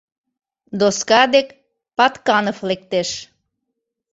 — Доска дек Патканов лектеш.